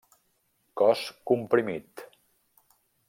Cos comprimit.